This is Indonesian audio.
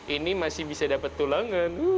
ini masih bisa dapat tulangan